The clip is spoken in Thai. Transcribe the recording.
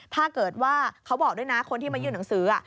ถ้าเกิดเขาบอกด้วยนะคนที่มายื่นหนังสือ